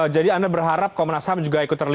jadi anda berharap komnas ham juga ikut terlibat